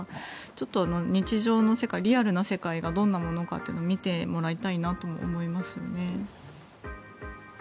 ちょっと日常の世界リアルな世界がどんなものかというのを見てもらいたいなとも思いますよね。